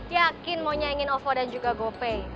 yakin mau nyayangin ovo dan juga gope